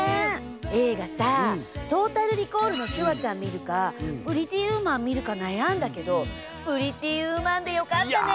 映画さ「トータル・リコール」のシュワちゃん見るか「プリティ・ウーマン」見るか悩んだけど「プリティ・ウーマン」でよかったね。